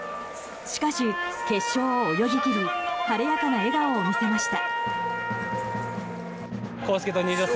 しかし、決勝を泳ぎ切り晴れやかな笑顔を見せました。